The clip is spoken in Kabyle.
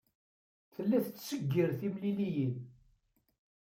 Tella tettseggir timliliyin.